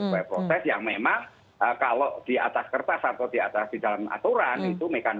supaya proses yang memang kalau di atas kertas atau di atas di dalam aturan itu mekanisme